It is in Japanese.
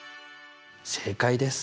正解です。